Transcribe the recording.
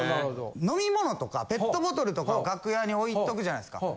飲み物とかペットボトルとかを楽屋に置いとくじゃないですか。